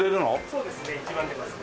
そうですね一番出ますね。